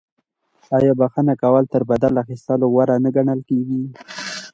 آیا بخښنه کول تر بدل اخیستلو غوره نه ګڼل کیږي؟